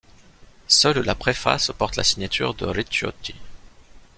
Seule la préface porte la signature de Ricciotti.